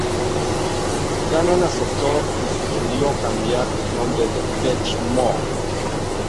Gahan aceptó y sugirió cambiar el nombre a Depeche Mode.